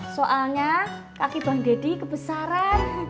soalnya kaki bang deddy kebesaran